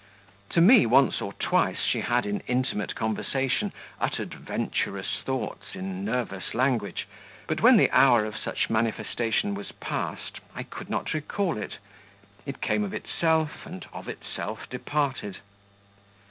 To me, once or twice, she had in intimate conversation, uttered venturous thoughts in nervous language; but when the hour of such manifestation was past, I could not recall it; it came of itself and of itself departed.